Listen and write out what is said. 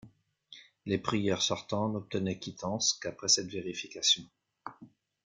Les prieurs sortants n'obtenaient quittance qu'après cette vérification.